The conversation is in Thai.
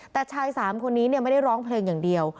แต่ชาย๓คนนี้ไม่ได้ร้องเพลงอย่างเดียว